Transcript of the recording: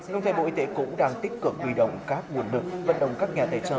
công thể bộ y tế cũng đang tích cực quy động các nguồn lực vận động các nhà tài trợ